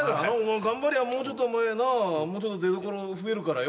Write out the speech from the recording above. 頑張れやもうちょっとお前なもうちょっと出どころ増えるからよ